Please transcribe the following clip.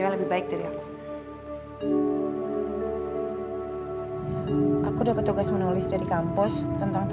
keberadaan gua malah bikin mereka jadi keganggu